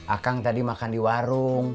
akang tadi makan di warung